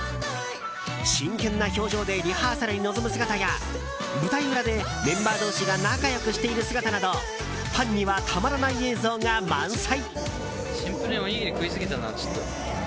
真剣な表情でリハーサルに臨む姿や舞台裏でメンバー同士が仲良くしている姿などファンにはたまらない映像が満載。